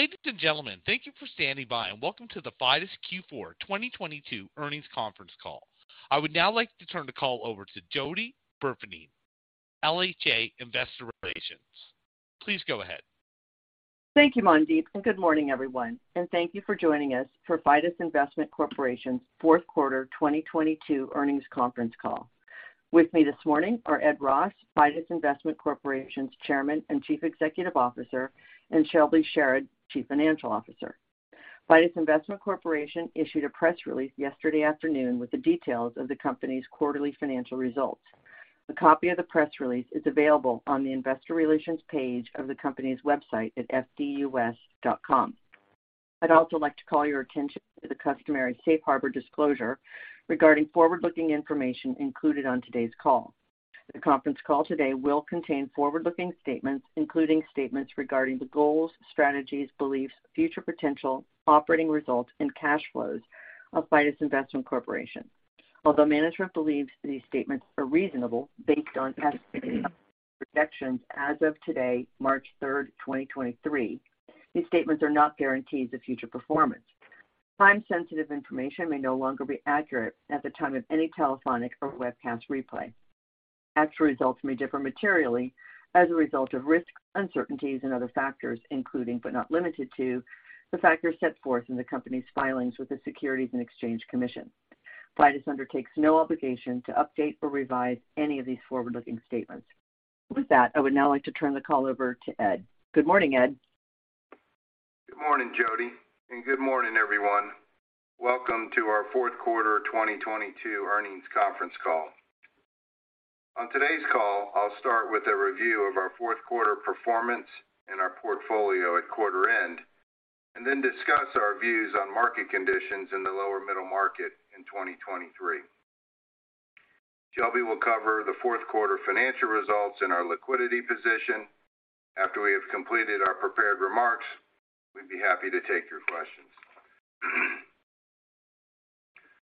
Ladies and gentlemen, thank you for standing by. Welcome to the Fidus Q4 2022 earnings conference call. I would now like to turn the call over to Jody Burfening, LHA Investor Relations. Please go ahead. Thank you, Mandeep, and good morning, everyone, and thank you for joining us for Fidus Investment Corporation's fourth quarter 2022 earnings conference call. With me this morning are Edward Ross, Fidus Investment Corporation's Chairman and Chief Executive Officer, and Shelby Sherard, Chief Financial Officer. Fidus Investment Corporation issued a press release yesterday afternoon with the details of the company's quarterly financial results. A copy of the press release is available on the investor relations page of the company's website at fidus.com. I'd also like to call your attention to the customary safe harbor disclosure regarding forward-looking information included on today's call. The conference call today will contain forward-looking statements, including statements regarding the goals, strategies, beliefs, future potential, operating results, and cash flows of Fidus Investment Corporation. Although management believes these statements are reasonable based on estimates and projections as of today, March 3rd, 2023, these statements are not guarantees of future performance. Time-sensitive information may no longer be accurate at the time of any telephonic or webcast replay. Actual results may differ materially as a result of risks, uncertainties, and other factors, including but not limited to, the factors set forth in the company's filings with the Securities and Exchange Commission. Fidus undertakes no obligation to update or revise any of these forward-looking statements. With that, I would now like to turn the call over to Ed. Good morning, Ed. Good morning, Jody, and good morning, everyone. Welcome to our fourth quarter 2022 earnings conference call. On today's call, I'll start with a review of our fourth quarter performance and our portfolio at quarter end and then discuss our views on market conditions in the lower middle market in 2023. Shelby will cover the fourth quarter financial results and our liquidity position. After we have completed our prepared remarks, we'd be happy to take your questions.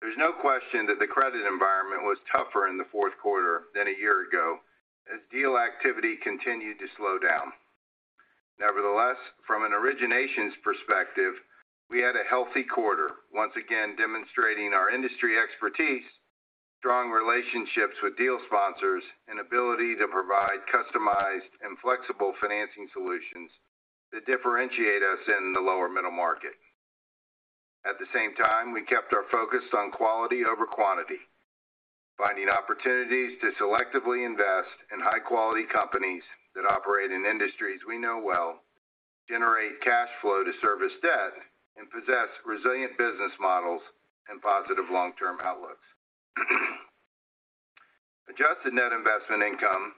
There's no question that the credit environment was tougher in the fourth quarter than a year ago as deal activity continued to slow down. Nevertheless, from an originations perspective, we had a healthy quarter, once again demonstrating our industry expertise, strong relationships with deal sponsors, and ability to provide customized and flexible financing solutions that differentiate us in the lower middle market. At the same time, we kept our focus on quality over quantity, finding opportunities to selectively invest in high-quality companies that operate in industries we know well, generate cash flow to service debt, and possess resilient business models and positive long-term outlooks. Adjusted Net Investment Income,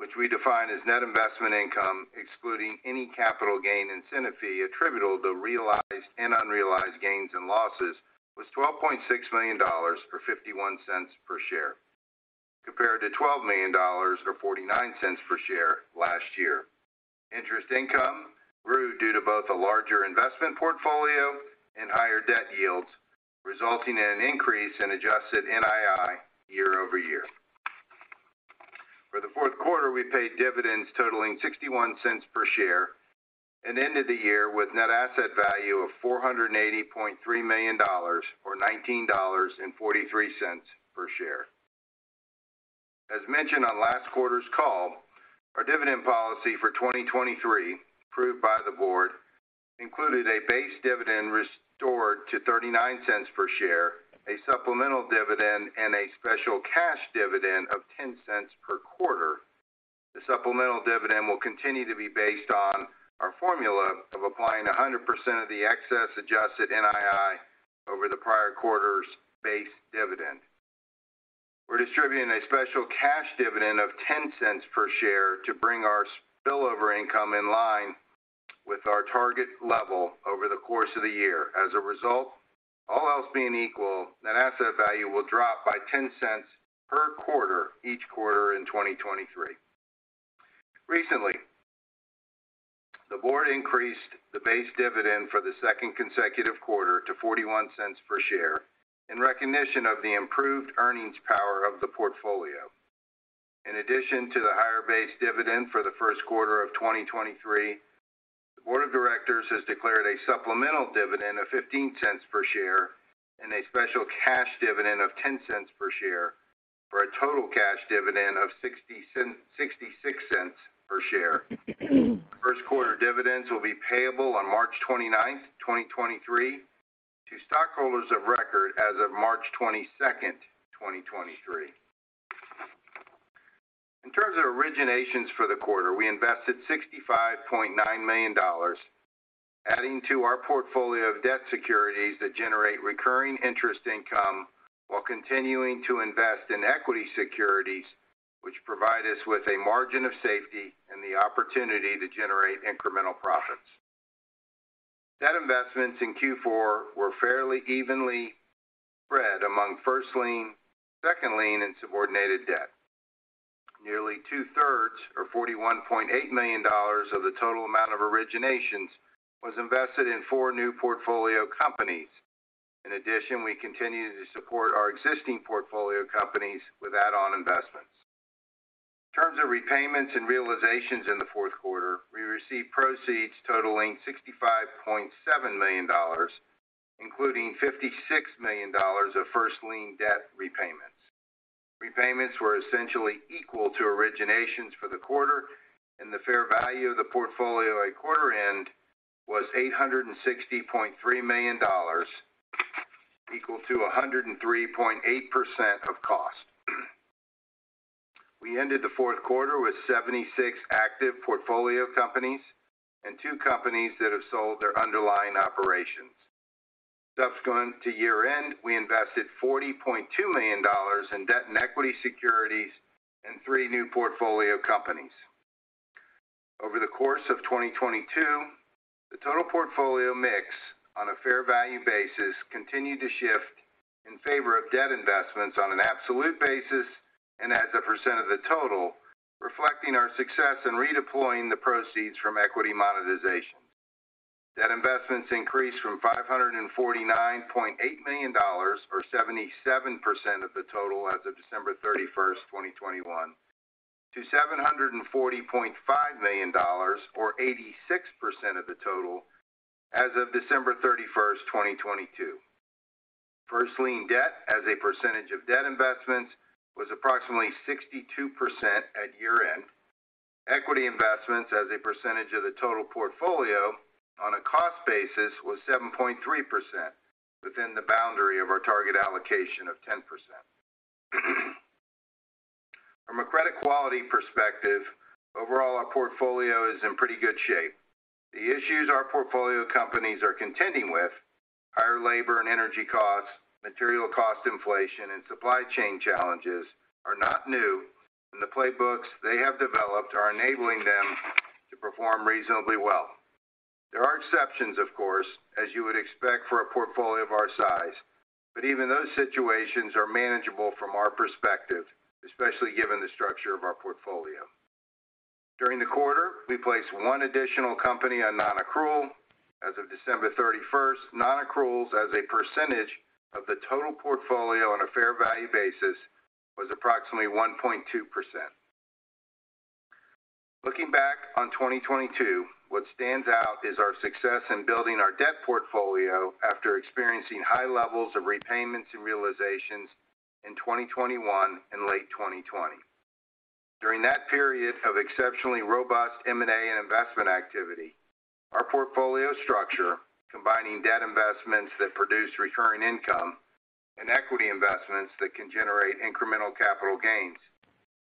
which we define as Net Investment Income excluding any capital gain incentive fee attributable to realized and unrealized gains and losses, was $12.6 million, or $0.51 per share, compared to $12 million or $0.49 per share last year. Interest income grew due to both a larger investment portfolio and higher debt yields, resulting in an increase in Adjusted NII year-over-year. For the fourth quarter, we paid dividends totaling $0.61 per share and ended the year with net asset value of $480.3 million or $19.43 per share. As mentioned on last quarter's call, our dividend policy for 2023, approved by the board, included a base dividend restored to $0.39 per share, a supplemental dividend, and a special cash dividend of $0.10 per quarter. The supplemental dividend will continue to be based on our formula of applying 100% of the excess Adjusted NII over the prior quarter's base dividend. We're distributing a special cash dividend of $0.10 per share to bring our spillover income in line with our target level over the course of the year. As a result, all else being equal, net asset value will drop by $0.10 per quarter each quarter in 2023. Recently, the board increased the base dividend for the second consecutive quarter to $0.41 per share in recognition of the improved earnings power of the portfolio. In addition to the higher base dividend for the first quarter of 2023, the board of directors has declared a supplemental dividend of $0.15 per share and a special cash dividend of $0.10 per share for a total cash dividend of $0.66 per share. First quarter dividends will be payable on March 29th, 2023 to stockholders of record as of March 22nd, 2023. In terms of originations for the quarter, we invested $65.9 million, adding to our portfolio of debt securities that generate recurring interest income while continuing to invest in equity securities, which provide us with a margin of safety and the opportunity to generate incremental profits. Debt investments in Q4 were fairly evenly spread among first lien, second lien, and subordinated debt. Nearly 2/3, or $41.8 million of the total amount of originations, was invested in four new portfolio companies. In addition, we continue to support our existing portfolio companies with add-on investments. In terms of repayments and realizations in the fourth quarter, we received proceeds totaling $65.7 million, including $56 million of first lien debt repayments. Repayments were essentially equal to originations for the quarter. The fair value of the portfolio at quarter end was $860.3 million, equal to 103.8% of cost. We ended the fourth quarter with 76 active portfolio companies and two companies that have sold their underlying operations. Subsequent to year-end, we invested $40.2 million in debt and equity securities in three new portfolio companies. Over the course of 2022, the total portfolio mix on a fair value basis continued to shift in favor of debt investments on an absolute basis and as a % of the total, reflecting our success in redeploying the proceeds from equity monetization. Debt investments increased from $549.8 million, or 77% of the total as of December 31st, 2021, to $740.5 million, or 86% of the total, as of December 31st, 2022. First lien debt as a percentage of debt investments was approximately 62% at year-end. Equity investments as a percentage of the total portfolio on a cost basis was 7.3% within the boundary of our target allocation of 10%. From a credit quality perspective, overall, our portfolio is in pretty good shape. The issues our portfolio companies are contending with, higher labor and energy costs, material cost inflation, and supply chain challenges are not new, and the playbooks they have developed are enabling them to perform reasonably well. There are exceptions, of course, as you would expect for a portfolio of our size, but even those situations are manageable from our perspective, especially given the structure of our portfolio. During the quarter, we placed one additional company on non-accrual. As of December 31st, non-accruals as a percentage of the total portfolio on a fair value basis was approximately 1.2%. Looking back on 2022, what stands out is our success in building our debt portfolio after experiencing high levels of repayments and realizations in 2021 and late 2020. During that period of exceptionally robust M&A and investment activity, our portfolio structure, combining debt investments that produce recurring income and equity investments that can generate incremental capital gains,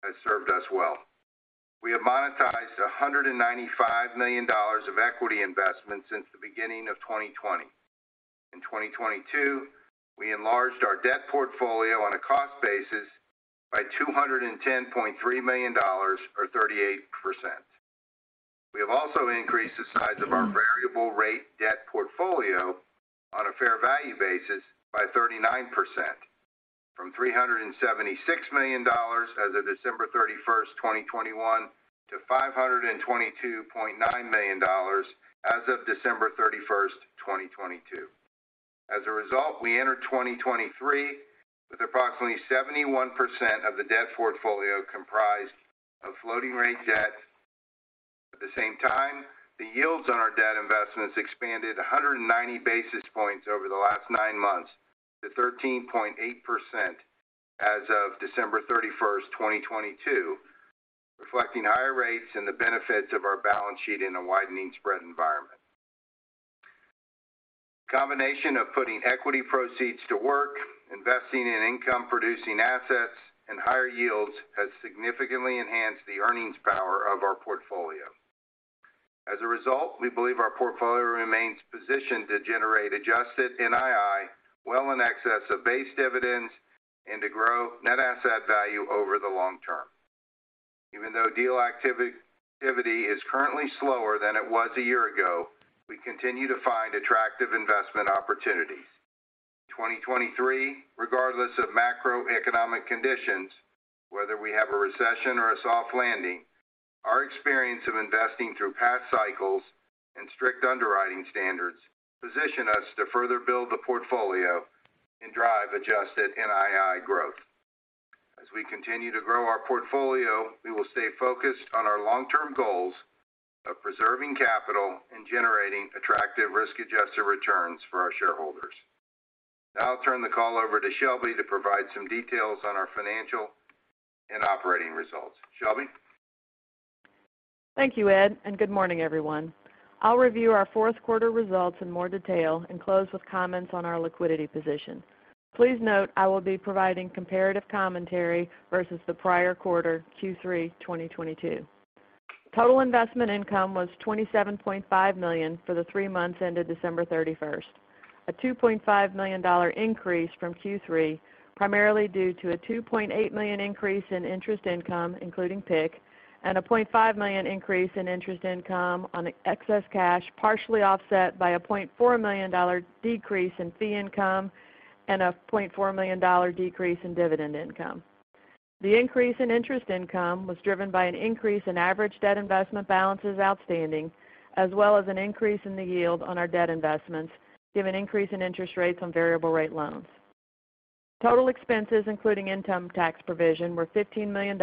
has served us well. We have monetized $195 million of equity investments since the beginning of 2020. In 2022, we enlarged our debt portfolio on a cost basis by $210.3 million, or 38%. We have also increased the size of our variable rate debt portfolio on a fair value basis by 39%. From $376 million as of December 31st, 2021, to $522.9 million as of December 31st, 2022. As a result, we entered 2023 with approximately 71% of the debt portfolio comprised of floating rate debt. At the same time, the yields on our debt investments expanded 190 basis points over the last nine months to 13.8% as of December 31st, 2022, reflecting higher rates and the benefits of our balance sheet in a widening spread environment. Combination of putting equity proceeds to work, investing in income-producing assets, and higher yields has significantly enhanced the earnings power of our portfolio. As a result, we believe our portfolio remains positioned to generate Adjusted NII well in excess of base dividends and to grow net asset value over the long term. Even though deal activity is currently slower than it was a year ago, we continue to find attractive investment opportunities. In 2023, regardless of macroeconomic conditions, whether we have a recession or a soft landing, our experience of investing through past cycles and strict underwriting standards position us to further build the portfolio and drive Adjusted NII growth. As we continue to grow our portfolio, we will stay focused on our long-term goals of preserving capital and generating attractive risk-adjusted returns for our shareholders. Now I'll turn the call over to Shelby to provide some details on our financial and operating results. Shelby? Thank you, Ed, and good morning, everyone. I'll review our fourth quarter results in more detail and close with comments on our liquidity position. Please note I will be providing comparative commentary versus the prior quarter, Q3 2022. Total investment income was $27.5 million for the three months ended December 31st. A $2.5 million increase from Q3, primarily due to a $2.8 million increase in interest income, including PIK, and a $0.5 million increase in interest income on excess cash, partially offset by a $0.4 million decrease in fee income and a $0.4 million decrease in dividend income. The increase in interest income was driven by an increase in average debt investment balances outstanding, as well as an increase in the yield on our debt investments, given increase in interest rates on variable rate loans. Total expenses, including income tax provision, were $15 million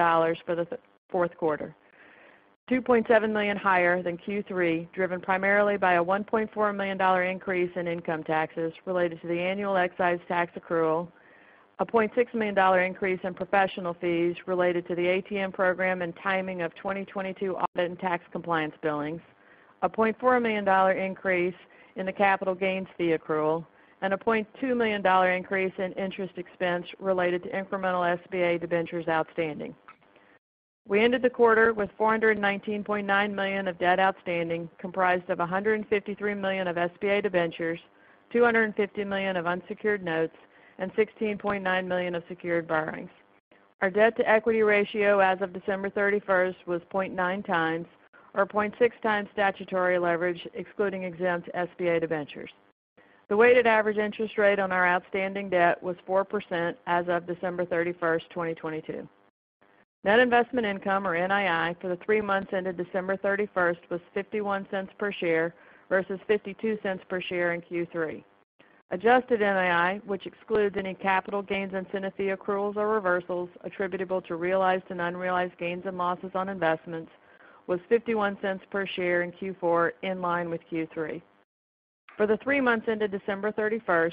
for the fourth quarter. $2.7 million higher than Q3, driven primarily by a $1.4 million increase in income taxes related to the annual excise tax accrual. A $0.6 million increase in professional fees related to the ATM program and timing of 2022 audit and tax compliance billings. A $0.4 million increase in the capital gains fee accrual and a $0.2 million increase in interest expense related to incremental SBA debentures outstanding. We ended the quarter with $419.9 million of debt outstanding, comprised of $153 million of SBA debentures, $250 million of unsecured notes, and $16.9 million of secured borrowings. Our debt-to-equity ratio as of December 31st was 0.9x or 0.6x statutory leverage excluding exempt SBA debentures. The weighted average interest rate on our outstanding debt was 4% as of December 31st, 2022. Net Investment Income, or NII, for the three months ended December 31st was $0.51 per share versus $0.52 per share in Q3. Adjusted NII, which excludes any capital gains incentive fee accruals or reversals attributable to realized and unrealized gains and losses on investments, was $0.51 per share in Q4, in line with Q3. For the three months ended December 31st,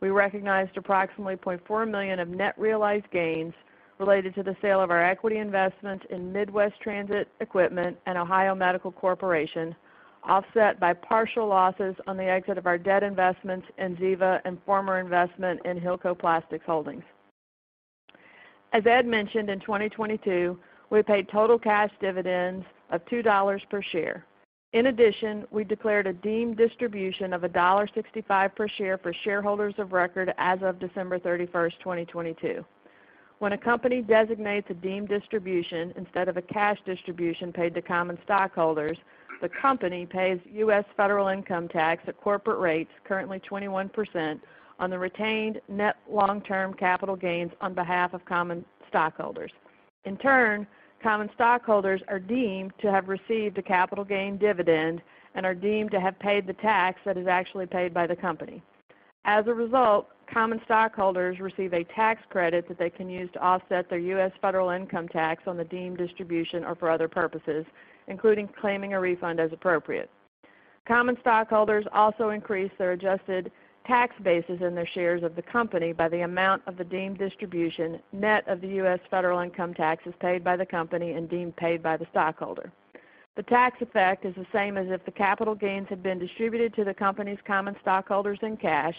we recognized approximately $0.4 million of net realized gains related to the sale of our equity investment in Midwest Transit Equipment and Ohio Medical Corporation, offset by partial losses on the exit of our debt investments in Ziva and former investment in Hilco Plastics Holdings. As Ed mentioned, in 2022, we paid total cash dividends of $2 per share. In addition, we declared a deemed distribution of $1.65 per share for shareholders of record as of December 31st, 2022. When a company designates a deemed distribution instead of a cash distribution paid to common stockholders, the company pays U.S. federal income tax at corporate rates, currently 21%, on the retained net long-term capital gains on behalf of common stockholders. In turn, common stockholders are deemed to have received a capital gain dividend and are deemed to have paid the tax that is actually paid by the company. As a result, common stockholders receive a tax credit that they can use to offset their U.S. federal income tax on the deemed distribution or for other purposes, including claiming a refund as appropriate. Common stockholders also increase their adjusted tax basis in their shares of the company by the amount of the deemed distribution net of the U.S. federal income taxes paid by the company and deemed paid by the stockholder. The tax effect is the same as if the capital gains had been distributed to the company's common stockholders in cash,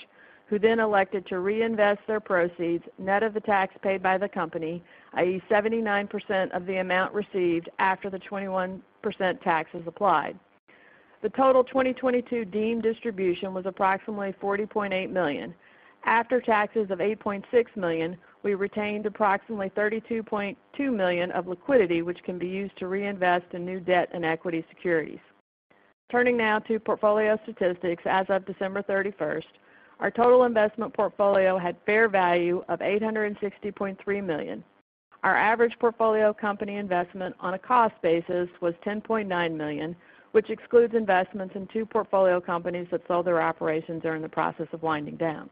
who then elected to reinvest their proceeds net of the tax paid by the company, i.e., 79% of the amount received after the 21% tax is applied. The total 2022 deemed distribution was approximately $40.8 million. After taxes of $8.6 million, we retained approximately $32.2 million of liquidity, which can be used to reinvest in new debt and equity securities. Turning now to portfolio statistics as of December 31st. Our total investment portfolio had fair value of $860.3 million. Our average portfolio company investment on a cost basis was $10.9 million, which excludes investments in two portfolio companies that sold their operations are in the process of winding down.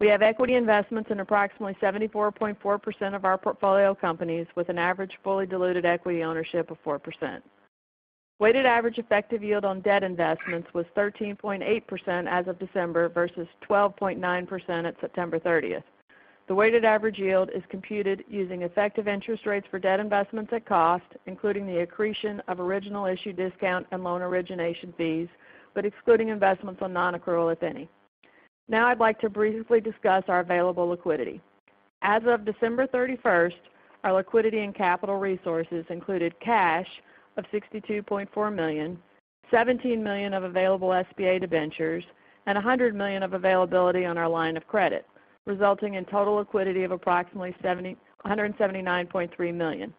We have equity investments in approximately 74.4% of our portfolio companies, with an average fully diluted equity ownership of 4%. Weighted average effective yield on debt investments was 13.8% as of December versus 12.9% at September 30th. The weighted average yield is computed using effective interest rates for debt investments at cost, including the accretion of original issue discount and loan origination fees, but excluding investments on non-accrual, if any. I'd like to briefly discuss our available liquidity. As of December 31st, our liquidity and capital resources included cash of $62.4 million, $17 million of available SBA debentures, and $100 million of availability on our line of credit, resulting in total liquidity of approximately $179.3 million.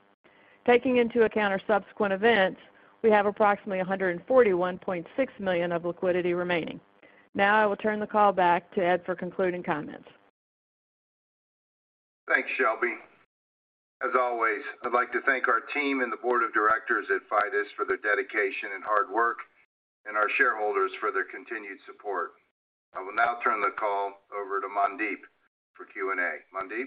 Taking into account our subsequent events, we have approximately $141.6 million of liquidity remaining. I will turn the call back to Ed for concluding comments. Thanks, Shelby. As always, I'd like to thank our team and the board of directors at Fidus for their dedication and hard work and our shareholders for their continued support. I will now turn the call over to Mandeep for Q&A. Mandeep?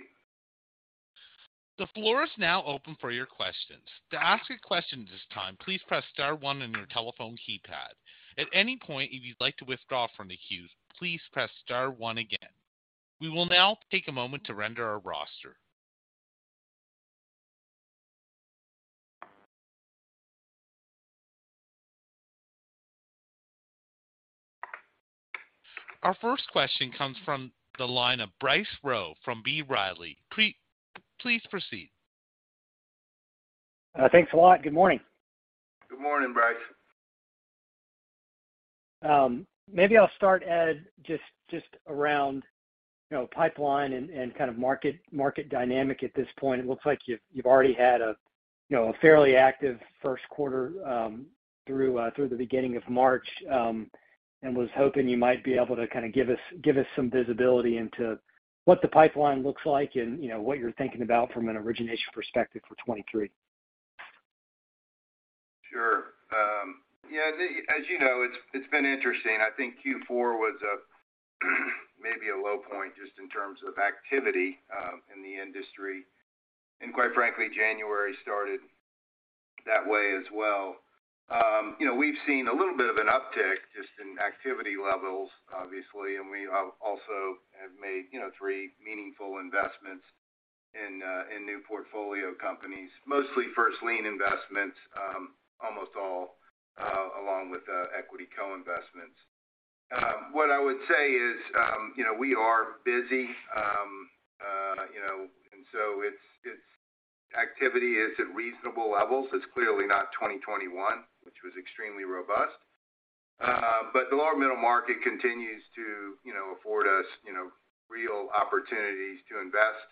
The floor is now open for your questions. To ask a question at this time, please press star one on your telephone keypad. At any point, if you'd like to withdraw from the queue, please press star one again. We will now take a moment to render our roster. Our first question comes from the line of Bryce Rowe from B. Riley. Please proceed. Thanks a lot. Good morning. Good morning, Bryce. Maybe I'll start, Ed, just around, you know, pipeline and kind of market dynamic at this point. It looks like you've already had a, you know, a fairly active first quarter through the beginning of March, and was hoping you might be able to kind of give us some visibility into what the pipeline looks like and, you know, what you're thinking about from an origination perspective for 2023. Sure. Yeah, as you know, it's been interesting. I think Q4 was a maybe a low point just in terms of activity in the industry. Quite frankly, January started that way as well. You know, we've seen a little bit of an uptick just in activity levels, obviously, and we have also have made, you know, three meaningful investments in new portfolio companies, mostly first lien investments, almost all along with equity co-investments. What I would say is, you know, we are busy, you know, and so it's activity is at reasonable levels. It's clearly not 2021, which was extremely robust. The lower middle market continues to, you know, afford us, you know, real opportunities to invest.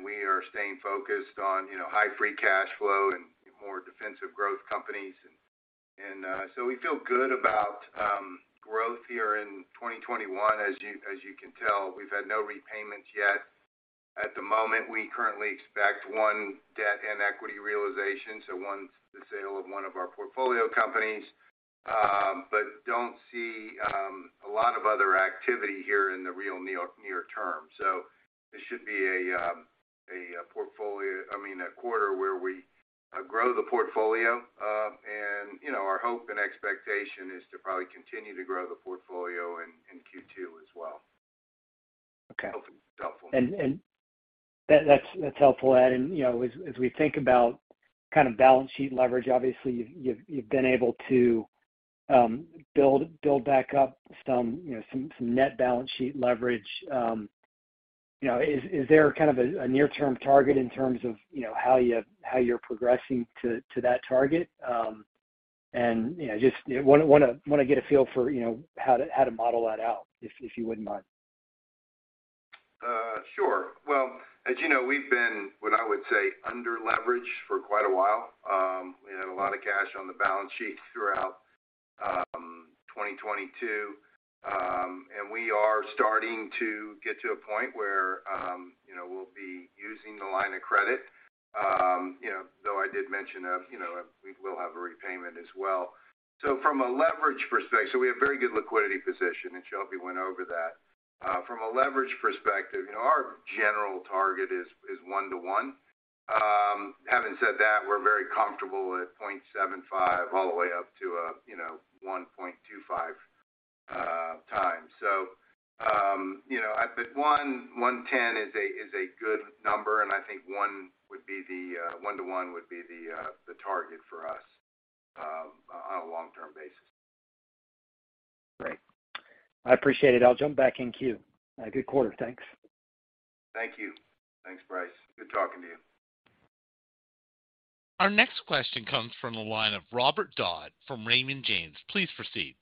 We are staying focused on, you know, high free cash flow and more defensive growth companies. We feel good about growth here in 2021. As you can tell, we've had no repayments yet. At the moment, we currently expect one debt and equity realization, so one's the sale of one of our portfolio companies, but don't see a lot of other activity here in the real near term. This should be a portfolio... I mean, a quarter where we grow the portfolio. You know, our hope and expectation is to probably continue to grow the portfolio in Q2 as well. Okay. Hope that's helpful. That's helpful, Ed. You know, as we think about kind of balance sheet leverage, obviously you've been able to build back up some net balance sheet leverage. You know, is there kind of a near-term target in terms of, you know, how you're progressing to that target? You know, just wanna get a feel for, you know, how to model that out, if you wouldn't mind. Sure. Well, as you know, we've been, what I would say, under leverage for quite a while. We had a lot of cash on the balance sheet throughout 2022. And we are starting to get to a point where, you know, we'll be using the line of credit, you know, though I did mention of, you know, we will have a repayment as well. So from a leverage perspective. We have very good liquidity position, and Shelby went over that. From a leverage perspective, you know, our general target is one to one. Having said that, we're very comfortable at 0.75 all the way up to a, you know, 1.25x. You know, at the 1.10 is a good number, and I think one to one would be the target for us on a long-term basis. Great. I appreciate it. I'll jump back in queue. A good quarter. Thanks. Thank you. Thanks, Bryce. Good talking to you. Our next question comes from the line of Robert Dodd from Raymond James. Please proceed.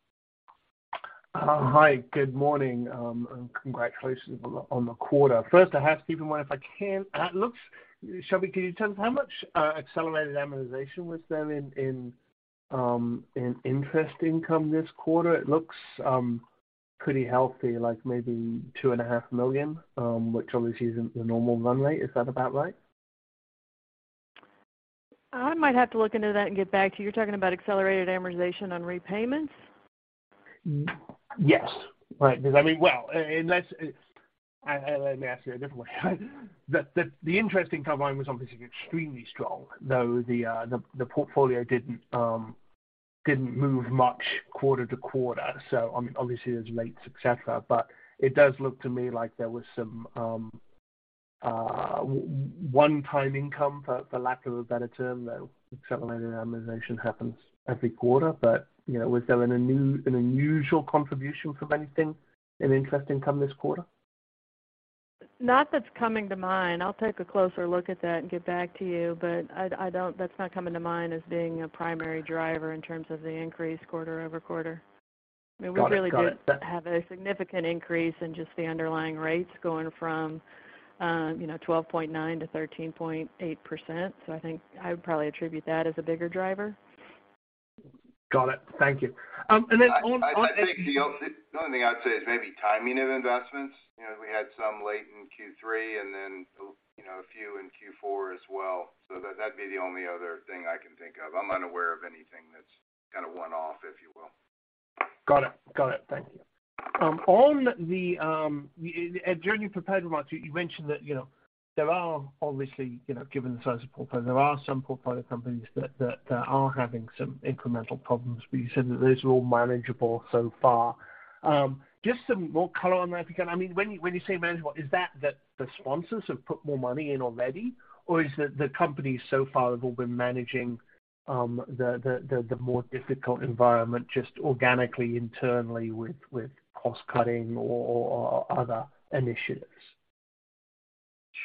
Hi. Good morning, and congratulations on the quarter. First, I have to one if I can. Shelby, can you tell us how much accelerated amortization was there in interest income this quarter? It looks pretty healthy, like maybe $2.5 million, which obviously isn't the normal run rate. Is that about right? I might have to look into that and get back to you. You're talking about accelerated amortization on repayments? Yes. Right. I mean, well, unless... Let me ask you a different way. The interest income line was obviously extremely strong, though the portfolio didn't move much quarter to quarter. I mean, obviously there's late success, but it does look to me like there was some one-time income, for lack of a better term, though accelerated amortization happens every quarter. You know, was there an unusual contribution from anything in interest income this quarter? Not that's coming to mind. I'll take a closer look at that and get back to you. That's not coming to mind as being a primary driver in terms of the increase quarter-over-quarter. Got it. Got it. We really do have a significant increase in just the underlying rates going from, you know, 12.9%-13.8%. I think I would probably attribute that as a bigger driver. Got it. Thank you. Then on. I think the only thing I'd say is maybe timing of investments. You know, we had some late in Q3 and then, you know, a few in Q4 as well. That'd be the only other thing I can think of. I'm unaware of anything that's kind of one-off, if you will. Got it. Got it. Thank you. On the, during your prepared remarks, you mentioned that, you know, there are obviously, you know, given the size of portfolio, there are some portfolio companies that are having some incremental problems, but you said that those are all manageable so far. Just some more color on that, if you can. I mean, when you say manageable, is that the sponsors have put more money in already, or is it the companies so far have all been managing the more difficult environment just organically, internally with cost cutting or other initiatives?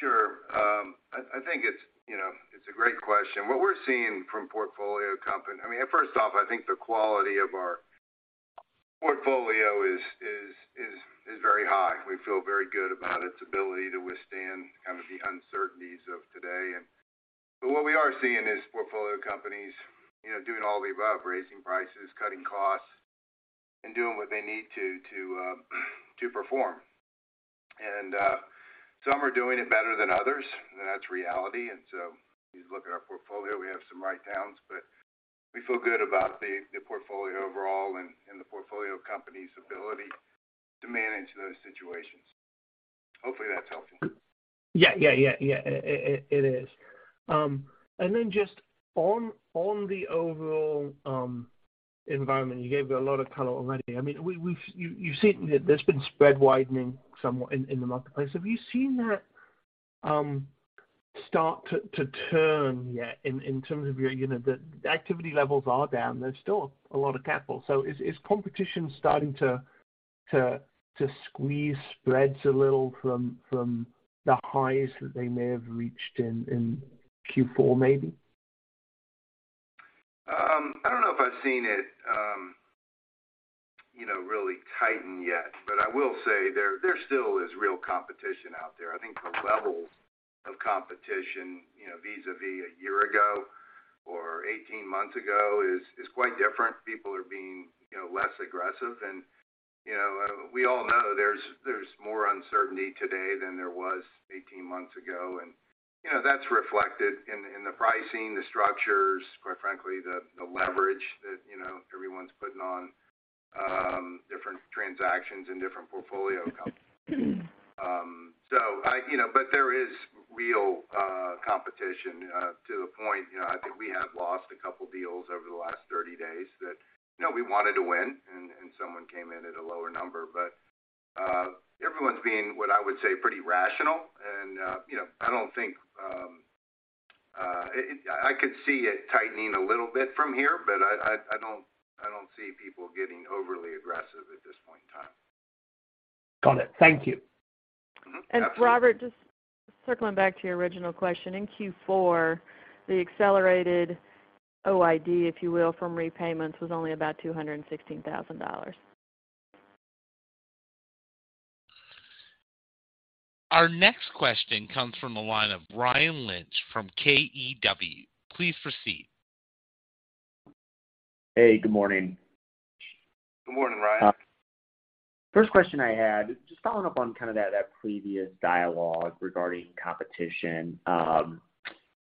Sure. I think it's, you know, it's a great question. I mean, first off, I think the quality of our portfolio is very high. We feel very good about its ability to withstand kind of the uncertainties of today. But what we are seeing is portfolio companies, you know, doing all the above, raising prices, cutting costs, and doing what they need to perform. Some are doing it better than others, and that's reality. If you look at our portfolio, we have some write-downs, but we feel good about the portfolio overall and the portfolio company's ability to manage those situations. Hopefully, that's helpful. Yeah. Yeah. Yeah. Yeah. It, it is. Then just on the overall environment, you gave a lot of color already. I mean, we've seen there's been spread widening somewhat in the marketplace. Have you seen that start to turn yet in terms of your, you know, the activity levels are down. There's still a lot of capital. Is competition starting to squeeze spreads a little from the highs that they may have reached in Q4, maybe? I don't know if I've seen it, you know, really tighten yet. I will say there still is real competition out there. I think the levels of competition, you know, vis-à-vis a year ago or 18 months ago is quite different. People are being, you know, less aggressive. You know, we all know there's more uncertainty today than there was 18 months ago. You know, that's reflected in the pricing, the structures, quite frankly, the leverage that, you know, everyone's putting on different transactions and different portfolio companies. You know, but there is real competition to a point. You know, I think we have lost a couple deals over the last 30 days that, you know, we wanted to win and someone came in at a lower number. everyone's being, what I would say, pretty rational. you know, I don't think, I could see it tightening a little bit from here, but I don't see people getting overly aggressive at this point in time. Got it. Thank you. Mm-hmm. Absolutely. Robert, just circling back to your original question. In Q4, the accelerated OID, if you will, from repayments was only about $216,000. Our next question comes from the line of Ryan Lynch from KBW. Please proceed. Hey, good morning. Good morning, Ryan. First question I had, just following up on kind of that previous dialogue regarding competition.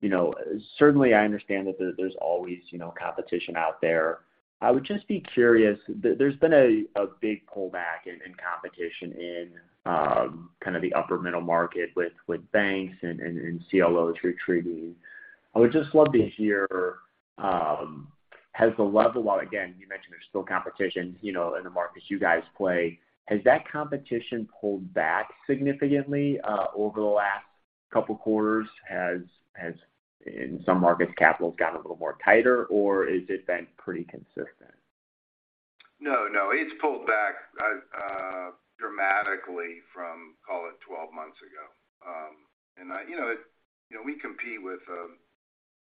You know, certainly I understand that there's always, you know, competition out there. I would just be curious. There's been a big pullback in competition in kind of the upper middle market with banks and CLOs retreating. I would just love to hear, while again, you mentioned there's still competition, you know, in the markets you guys play. Has that competition pulled back significantly over the last couple quarters? Has in some markets, capital got a little more tighter, or has it been pretty consistent? No, no, it's pulled back dramatically from, call it, 12 months ago. You know, we compete with a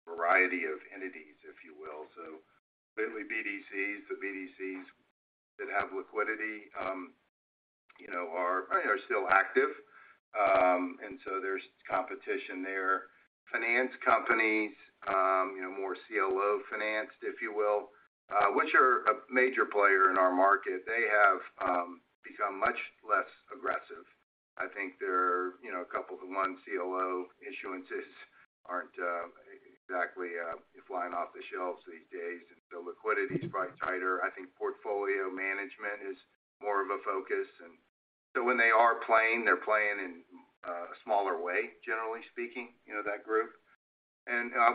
variety of entities, if you will. So certainly BDCs. The BDCs that have liquidity, you know, are still active. So there's competition there. Finance companies, you know, more CLO financed, if you will, which are a major player in our market. They have become much less aggressive. I think there are, you know, a couple of the one CLO issuances aren't exactly flying off the shelves these days, and so liquidity is probably tighter. I think portfolio management is more of a focus. So when they are playing, they're playing in a smaller way, generally speaking, you know, that group.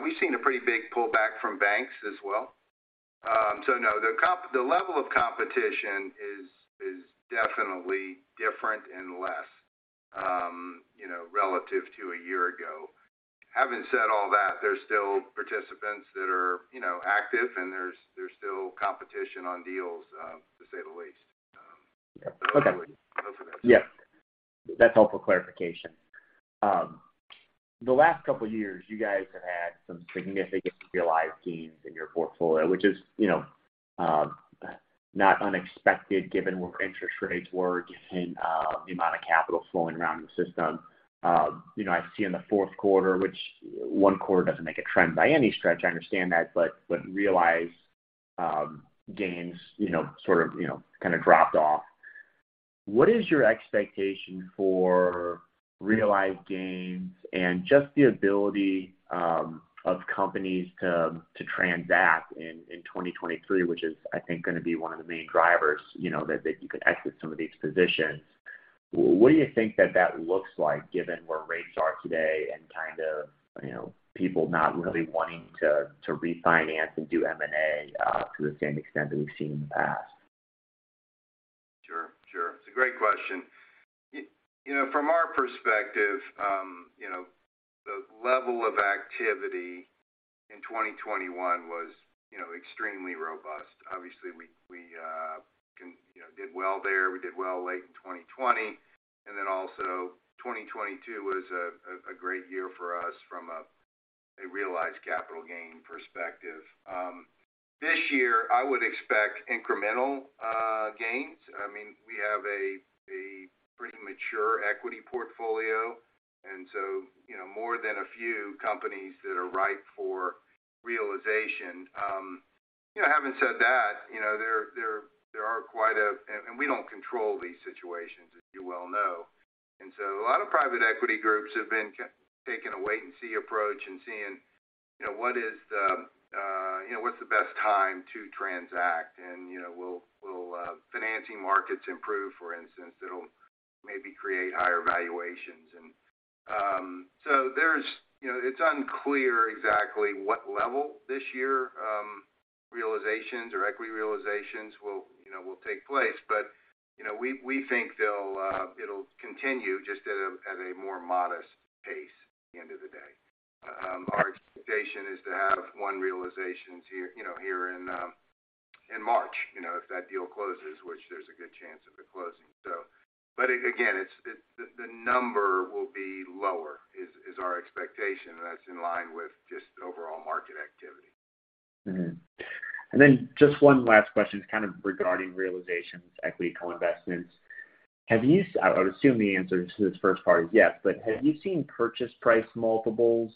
We've seen a pretty big pullback from banks as well. No, the level of competition is definitely different and less, you know, relative to a year ago. Having said all that, there's still participants that are, you know, active, and there's still competition on deals, to say the least. That's helpful clarification. The last couple of years, you guys have had some significant realized gains in your portfolio, which is, you know, not unexpected given where interest rates were, given the amount of capital flowing around the system. You know, I see in the fourth quarter, which one quarter doesn't make a trend by any stretch, I understand that, what realized gains, you know, sort of, you know, kind of dropped off? What is your expectation for realized gains and just the ability of companies to transact in 2023, which is, I think, going to be one of the main drivers, you know, that you can exit some of these positions. What do you think that that looks like, given where rates are today and kind of, you know, people not really wanting to refinance and do M&A, to the same extent that we've seen in the past? Sure. It's a great question. You know, from our perspective, you know, the level of activity in 2021 was, you know, extremely robust. Obviously, we, you know, did well there. We did well late in 2020. Also 2022 was a great year for us from a realized capital gain perspective. This year I would expect incremental gains. I mean, we have a pretty mature equity portfolio. You know, more than a few companies that are ripe for realization. You know, having said that, you know, there are. We don't control these situations, as you well know. A lot of private equity groups have been taking a wait and see approach and seeing, you know, what is the, you know, what's the best time to transact. You know, will financing markets improve, for instance, that'll maybe create higher valuations. You know, it's unclear exactly what level this year, realizations or equity realizations will take place. You know, we think they'll it'll continue just at a more modest pace at the end of the day. Our expectation is to have one realizations here, you know, here in March, you know, if that deal closes, which there's a good chance of it closing. But again, it's, the number will be lower, is our expectation, and that's in line with just overall market activity. Just one last question, it's kind of regarding realizations, equity co-investments. I would assume the answer to this first part is yes, but have you seen purchase price multiples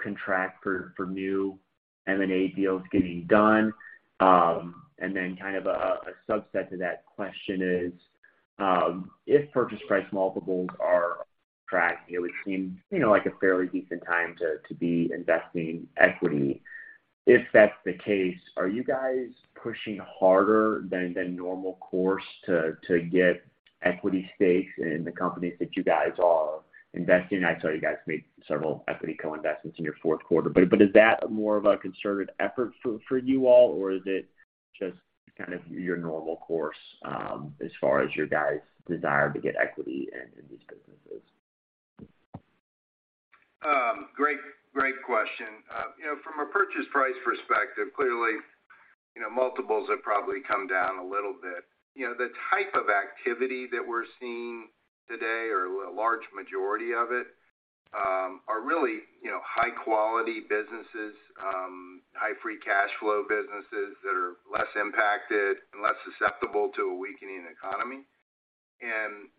contract for new M&A deals getting done? Kind of a subset to that question is, if purchase price multiples are tracked, it would seem, you know, like a fairly decent time to be investing equity. If that's the case, are you guys pushing harder than normal course to get equity stakes in the companies that you guys are investing? I saw you guys made several equity co-investments in your fourth quarter. Is that more of a concerted effort for you all, or is it just kind of your normal course, as far as your guys' desire to get equity in these businesses? Great, great question. You know, from a purchase price perspective, clearly, you know, multiples have probably come down a little bit. You know, the type of activity that we're seeing today or a large majority of it, are really, you know, high quality businesses, high free cash flow businesses that are less impacted and less susceptible to a weakening economy.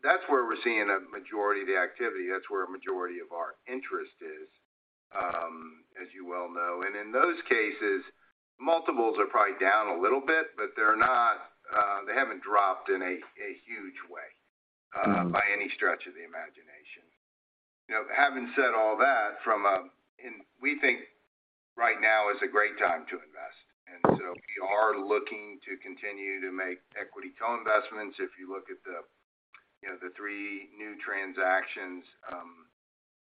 That's where we're seeing a majority of the activity. That's where a majority of our interest is, as you well know. In those cases, multiples are probably down a little bit, but they're not, they haven't dropped in a huge way. Mm-hmm By any stretch of the imagination. You know, having said all that, from a. We think right now is a great time to invest. We are looking to continue to make equity co-investments. If you look at the, you know, the three new transactions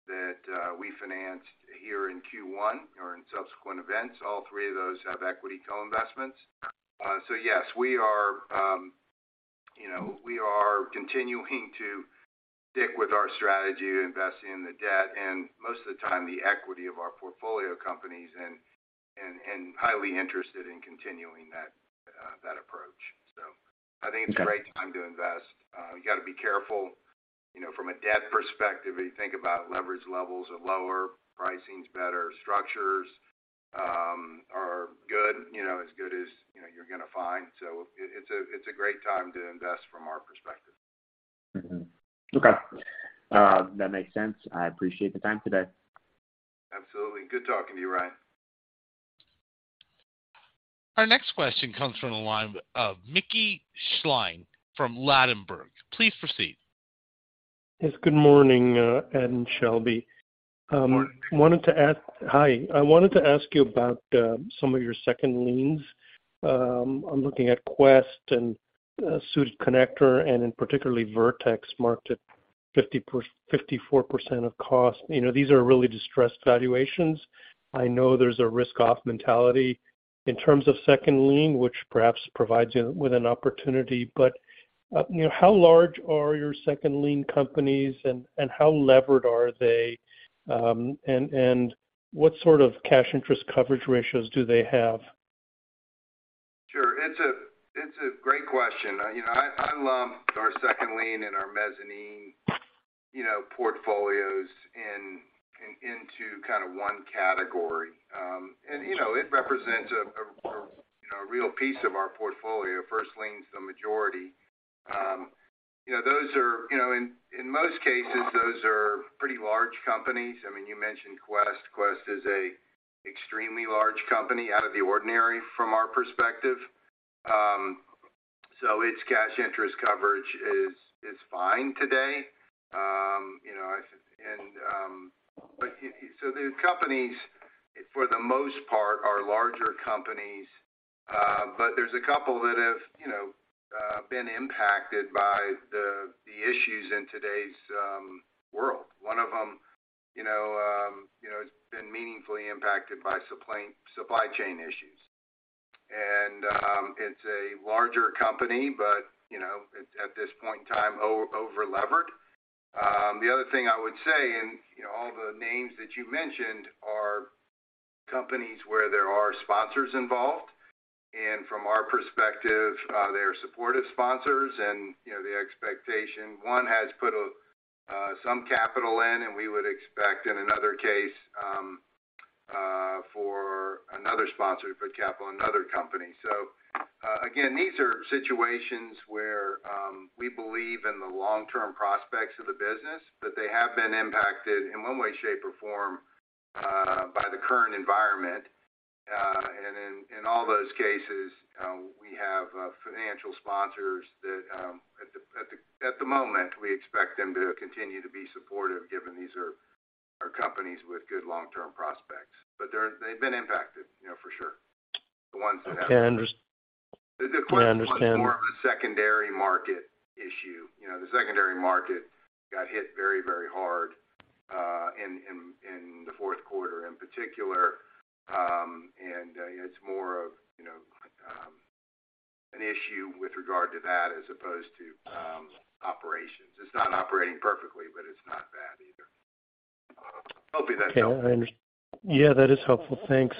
that we financed here in Q1 or in subsequent events, all three of those have equity co-investments. Yes, we are, you know, we are continuing to stick with our strategy to invest in the debt and most of the time the equity of our portfolio companies and highly interested in continuing that approach. I think it's a great time to invest. You got to be careful. You know, from a debt perspective, if you think about leverage levels are lower, pricing's better, structures are good. You know, as good as, you know, you're gonna find. It, it's a, it's a great time to invest from our perspective. Okay. That makes sense. I appreciate the time today. Absolutely. Good talking to you, Ryan. Our next question comes from the line of Mickey Schlein from Ladenburg. Please proceed. Yes, good morning, Ed and Shelby. Good morning. Wanted to ask... Hi. I wanted to ask you about some of your second liens. I'm looking at Quest and Suited Connector, and in particularly Virtex marked at 54% of cost. You know, these are really distressed valuations. I know there's a risk off mentality in terms of second lien, which perhaps provides you with an opportunity. But, you know, how large are your second lien companies and how levered are they? And what sort of cash interest coverage ratios do they have? Sure. It's a great question. You know, I lump our second lien and our mezzanine, you know, portfolios into kind of one category. It represents a, you know, a real piece of our portfolio. First lien's the majority. You know, those are. You know, in most cases, those are pretty large companies. I mean, you mentioned Quest. Quest is a extremely large company out of the ordinary from our perspective. Its cash interest coverage is fine today. These companies, for the most part, are larger companies. There's a couple that have, you know, been impacted by the issues in today's world. One of them, you know, has been meaningfully impacted by supply chain issues. It's a larger company, but, you know, at this point in time, over-levered. The other thing I would say, you know, all the names that you mentioned are companies where there are sponsors involved. From our perspective, they are supportive sponsors and, you know, the expectation. One has put some capital in, we would expect in another case, for another sponsor to put capital in another company. Again, these are situations where we believe in the long-term prospects of the business, but they have been impacted in one way, shape, or form by the current environment. In all those cases, we have financial sponsors that at the moment, we expect them to continue to be supportive given these are companies with good long-term prospects. They've been impacted, you know, for sure. The ones that have- Okay, I under- The question was more- I understand. of a secondary market issue. You know, the secondary market got hit very, very hard, in the fourth quarter in particular. It's more of, you know, an issue with regard to that as opposed to, operations. It's not operating perfectly, but it's not bad either. Hopefully, that's helpful. Okay. Yeah, that is helpful. Thanks.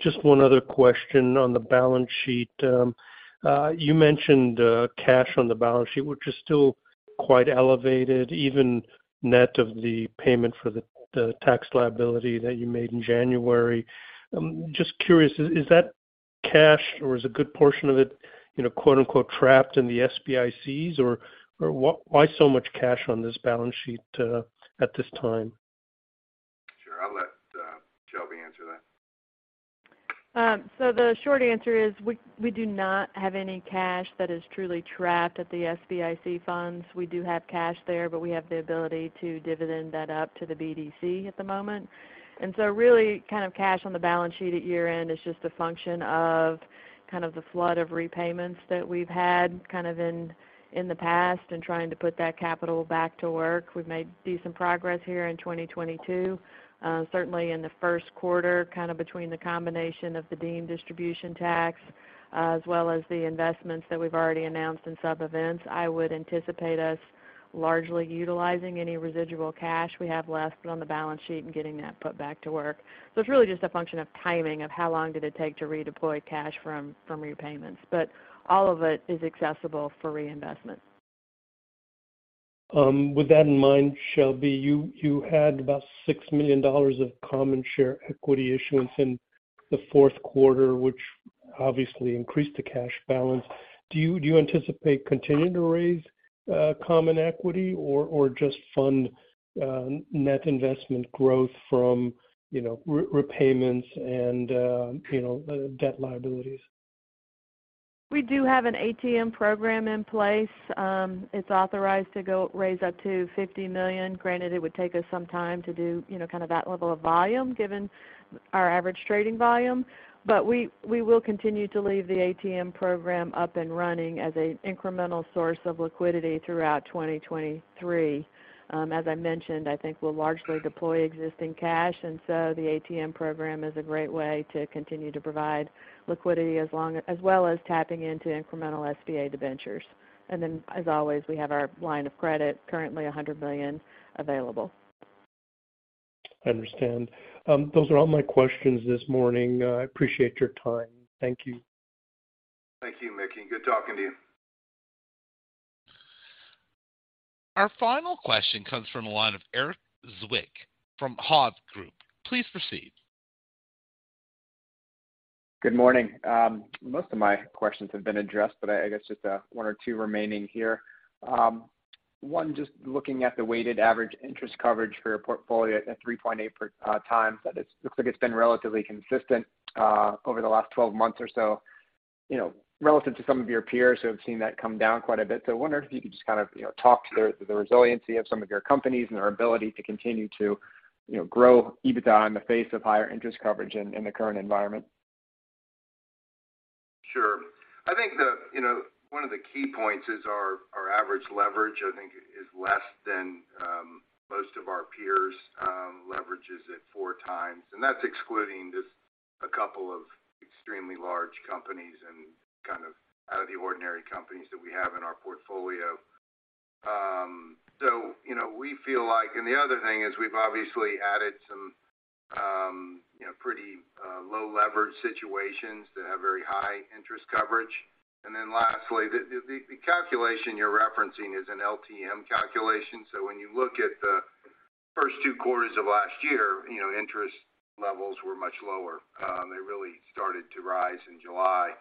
Just one other question on the balance sheet. You mentioned cash on the balance sheet, which is still quite elevated, even net of the payment for the tax liability that you made in January. I'm just curious, is that cash or is a good portion of it, you know, quote-unquote, "trapped" in the SBICs or why so much cash on this balance sheet at this time? Sure. I'll let Shelby answer that. The short answer is we do not have any cash that is truly trapped at the SBIC funds. We do have cash there, but we have the ability to dividend that up to the BDC at the moment. Really kind of cash on the balance sheet at year-end is just a function of kind of the flood of repayments that we've had kind of in the past and trying to put that capital back to work. We've made decent progress here in 2022. Certainly in the first quarter, kind of between the combination of the deemed distribution tax as well as the investments that we've already announced in sub events, I would anticipate us largely utilizing any residual cash we have left on the balance sheet and getting that put back to work. It's really just a function of timing of how long did it take to redeploy cash from repayments. All of it is accessible for reinvestment. With that in mind, Shelby, you had about $6 million of common share equity issuance in the fourth quarter, which obviously increased the cash balance. Do you anticipate continuing to raise common equity or just fund net investment growth from, you know, repayments and, you know, debt liabilities? We do have an ATM program in place. It's authorized to go raise up to $50 million. Granted, it would take us some time to do, you know, kind of that level of volume given our average trading volume. We, we will continue to leave the ATM program up and running as a incremental source of liquidity throughout 2023. As I mentioned, I think we'll largely deploy existing cash, the ATM program is a great way to continue to provide liquidity as well as tapping into incremental SBA debentures. As always, we have our line of credit, currently $100 million available. I understand. Those are all my questions this morning. I appreciate your time. Thank you. Thank you, Mickey. Good talking to you. Our final question comes from the line of Erik Zwick from Hovde Group. Please proceed. Good morning. Most of my questions have been addressed, but I guess just one or two remaining here. One, just looking at the weighted average interest coverage for your portfolio at 3.8x. looks like it's been relatively consistent over the last 12 months or so, you know, relative to some of your peers who have seen that come down quite a bit. I wonder if you could just kind of, you know, talk to the resiliency of some of your companies and their ability to continue to, you know, grow EBITDA in the face of higher interest coverage in the current environment. Sure. I think the, you know, one of the key points is our average leverage, I think is less than most of our peers'. Leverage is at 4x. That's excluding just a couple of extremely large companies and kind of out of the ordinary companies that we have in our portfolio. So, you know, we feel like. The other thing is we've obviously added some, you know, pretty low leverage situations that have very high interest coverage. Lastly, the calculation you're referencing is an LTM calculation. When you look at the first two quarters of last year, you know, interest levels were much lower. They really started to rise in July.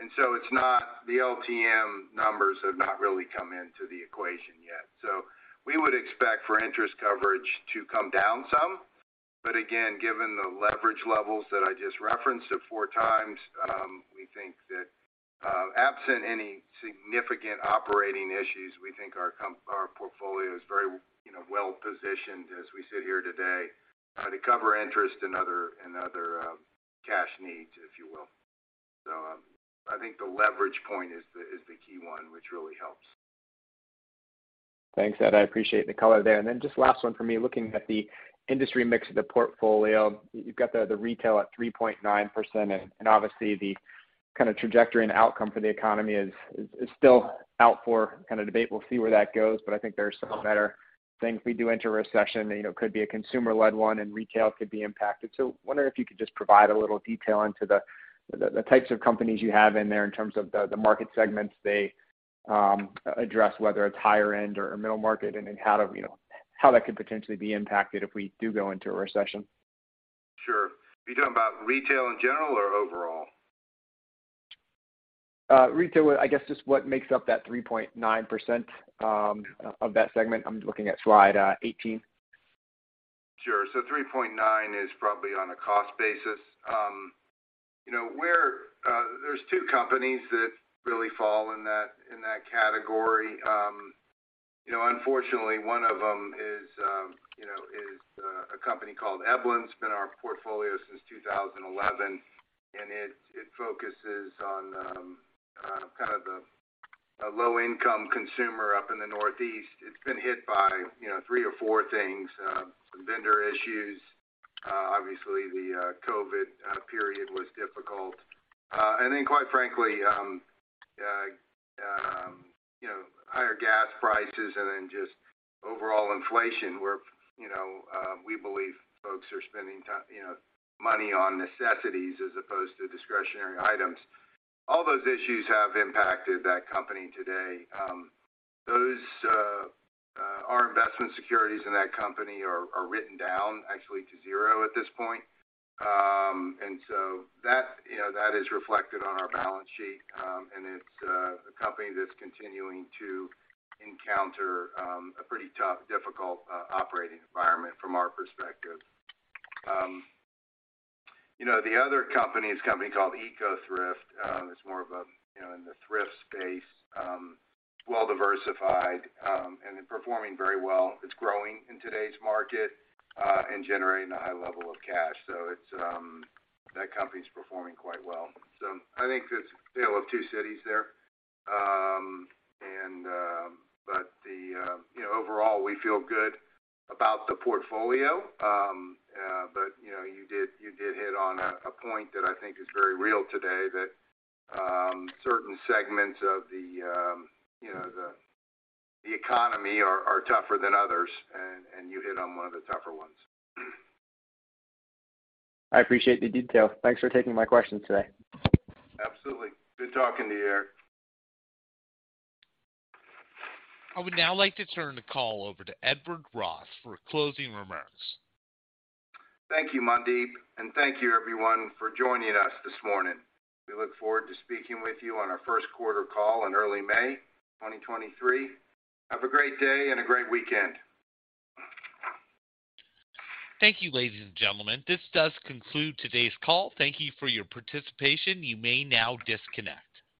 The LTM numbers have not really come into the equation yet. We would expect for interest coverage to come down some. Again, given the leverage levels that I just referenced of 4x, we think that absent any significant operating issues, we think our portfolio is very, you know, well-positioned as we sit here today, to cover interest and other cash needs, if you will. I think the leverage point is the key one, which really helps. Thanks, Ed. I appreciate the color there. Just last one for me, looking at the industry mix of the portfolio, you've got the retail at 3.9%. Obviously, the kind of trajectory and outcome for the economy is still out for kind of debate. We'll see where that goes, but I think there are some better things. We do enter a recession, you know, could be a consumer-led one, and retail could be impacted. Wondering if you could just provide a little detail into the types of companies you have in there in terms of the market segments they address, whether it's higher end or middle market, and then how that could potentially be impacted if we do go into a recession. Sure. Are you talking about retail in general or overall? Retail, I guess just what makes up that 3.9% of that segment. I'm looking at slide 18. Sure. 3.9 is probably on a cost basis. you know, there's two companies that really fall in that category. you know, unfortunately one of them is, you know, a company called EbLens. It's been in our portfolio since 2011, and it focuses on kind of the low-income consumer up in the Northeast. It's been hit by, you know, three or four things, some vendor issues. Obviously, the COVID period was difficult. Quite frankly, you know, higher gas prices and then just overall inflation where, you know, we believe folks are spending time, you know, money on necessities as opposed to discretionary items. All those issues have impacted that company today. Our investment securities in that company are written down actually to zero at this point. That, you know, that is reflected on our balance sheet. It's a company that's continuing to encounter a pretty tough, difficult operating environment from our perspective. You know, the other company is a company called Ecothrift. It's more of a, you know, in the thrift space, well-diversified, and performing very well. It's growing in today's market, and generating a high level of cash. It's that company's performing quite well. I think it's a tale of two cities there. You know, overall we feel good about the portfolio. You know, you did hit on a point that I think is very real today that certain segments of the, you know, the economy are tougher than others and you hit on one of the tougher ones. I appreciate the detail. Thanks for taking my question today. Absolutely. Good talking to you, Erik. I would now like to turn the call over to Edward Ross for closing remarks. Thank you, Mandeep, and thank you everyone for joining us this morning. We look forward to speaking with you on our first quarter call in early May 2023. Have a great day and a great weekend. Thank you, ladies and gentlemen. This does conclude today's call. Thank you for your participation. You may now disconnect.